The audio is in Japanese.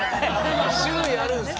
種類あるんすか？